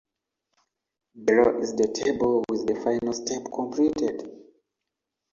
Below is the table with the final step completed.